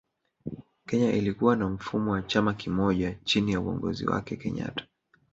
Kenya ilikuwa na mfumo wa chama kimoja chini ya uongozi wake kenyatta